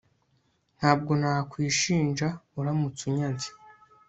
Ntabwo nakwishinja uramutse unyanze